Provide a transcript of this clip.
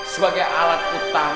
sebagai alat utama